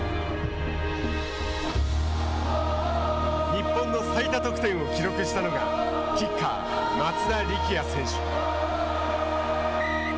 日本の最多得点を記録したのがキッカー、松田力也選手。